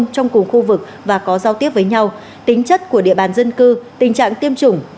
trong cùng khu vực và có giao tiếp với nhau tính chất của địa bàn dân cư tình trạng tiêm chủng